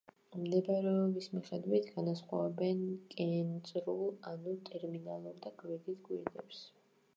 მდებარეობის მიხედვით განასხვავებენ კენწრულ ანუ ტერმინალურ და გევრდით კვირტებს.